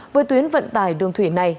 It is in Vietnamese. với tuyến vận tải đường thủy này